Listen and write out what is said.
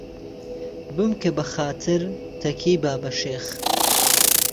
بمکه به خاتر تهکیهی بابه شێخ